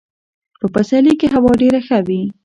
په پسرلي کي هوا ډېره ښه وي .